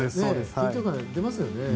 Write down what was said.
緊張感出ますよね。